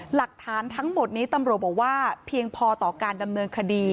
หลักฐานทั้งหมดนี้ตำรวจบอกว่าเพียงพอต่อการดำเนินคดี